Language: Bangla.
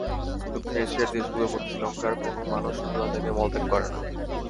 দক্ষিণ এশিয়ার দেশগুলোর মধ্যে শ্রীলঙ্কায় কোনো মানুষ খোলা জায়গায় মলত্যাগ করে না।